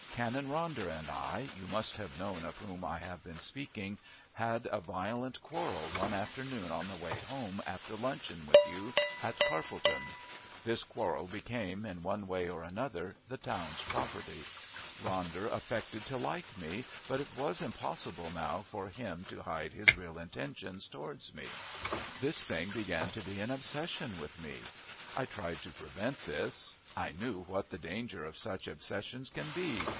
Canon Ronder and I you must have known of whom I have been speaking had a violent quarrel one afternoon on the way home after luncheon with you at Carpledon. This quarrel became, in one way or another, the town's property. Ronder affected to like me, but it was impossible now for him to hide his real intentions towards me. This thing began to be an obsession with me. I tried to prevent this. I knew what the danger of such obsessions can be.